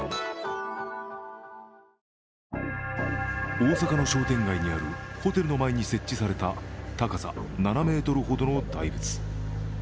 大阪の商店街にあるホテルの前に設置された高さ７ｍほどの大仏。